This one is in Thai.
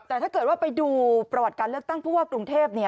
แต่ถ้าเกิดว่าไปดูประวัติการเลือกตั้งผู้ว่ากรุงเทพ